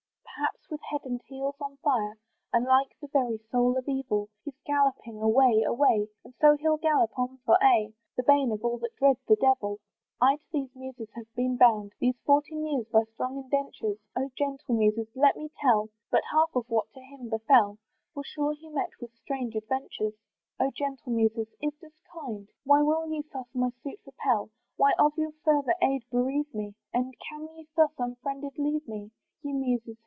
Perhaps, with head and heels on fire, And like the very soul of evil, He's galloping away, away, And so he'll gallop on for aye, The bane of all that dread the devil. I to the muses have been bound, These fourteen years, by strong indentures; Oh gentle muses! let me tell But half of what to him befel, For sure he met with strange adventures. Oh gentle muses! is this kind? Why will ye thus my suit repel? Why of your further aid bereave me? And can ye thus unfriended leave me? Ye muses!